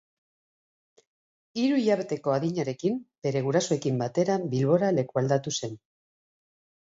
Hiru hilabeteko adinarekin bere gurasoekin batera Bilbora lekualdatu zen.